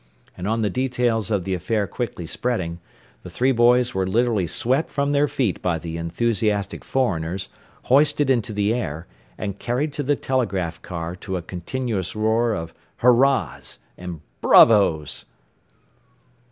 And on the details of the affair quickly spreading, the three boys were literally swept from their feet by the enthusiastic foreigners, hoisted into the air, and carried to the telegraph car to a continuous roar of "hurrahs" and "bravos."